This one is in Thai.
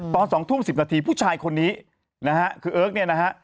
ตอน๒ทุ่ม๑๐นาทีผู้ชายคนนี้นะฮะคือเอิร์กเนี่ยนะฮะ